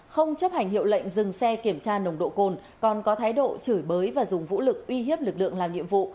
không chấp hành hiệu lệnh dừng xe kiểm tra nồng độ cồn còn có thái độ chửi bới và dùng vũ lực uy hiếp lực lượng làm nhiệm vụ